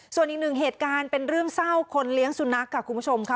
ส่วนอีกหนึ่งเหตุการณ์เป็นเรื่องเศร้าคนเลี้ยงสุนัขค่ะคุณผู้ชมค่ะ